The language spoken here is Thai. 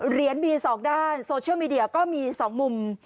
เหรียญมี๒ด้านโซเชียลมีเดียก็มี๒มุม